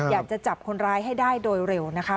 อยากจะจับคนร้ายให้ได้โดยเร็วนะคะ